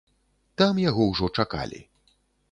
Там яго ўжо чакалі.